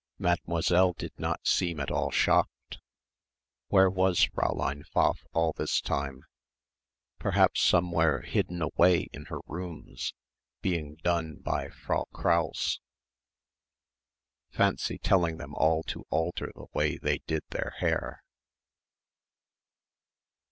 Mademoiselle did not seem at all shocked. Where was Fräulein Pfaff all this time? Perhaps somewhere hidden away, in her rooms, being "done" by Frau Krause. Fancy telling them all to alter the way they did their hair.